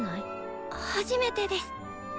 初めてです。